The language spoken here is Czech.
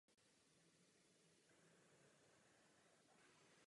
Jednalo se o dřevěnou stavbu na obdélníkovém půdorysu.